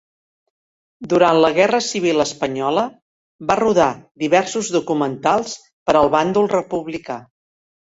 Durant la Guerra Civil Espanyola va rodar diversos documentals per al bàndol republicà.